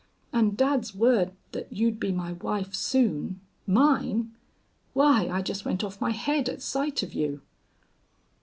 And dad's word that you'd be my wife soon mine why, I just went off my head at sight of you."